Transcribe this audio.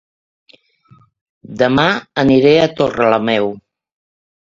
Dema aniré a Torrelameu